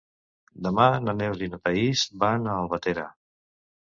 Demà na Neus i na Thaís van a Albatera.